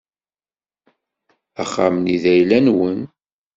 Axxam-nni d ayla-nwen.